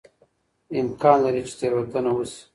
امکان لري چې تېروتنه وشي.